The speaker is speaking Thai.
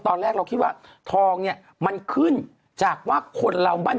ทองมันขึ้น